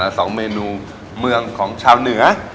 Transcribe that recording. สองเมนูเมืองของชาวเหนือ